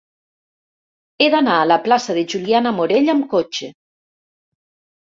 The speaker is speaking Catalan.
He d'anar a la plaça de Juliana Morell amb cotxe.